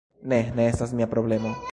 Ne, ne estas mia problemo